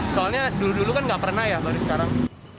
soalnya dulu dulu kan nggak pernah ya baru sekarang